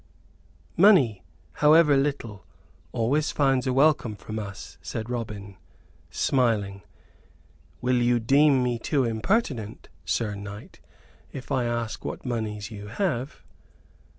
"Money, however little, always finds a welcome from us," said Robin, smiling. "Will you deem me too impertinent, Sir Knight, if I ask what moneys you have?"